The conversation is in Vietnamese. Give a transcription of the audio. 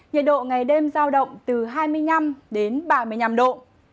nhiệt độ ngày đêm giao động từ hai mươi năm đến ba mươi năm độ